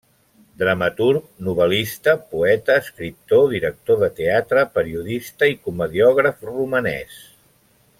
Dramaturg, novel·lista, poeta, escriptor, director de teatre, periodista i comediògraf romanès.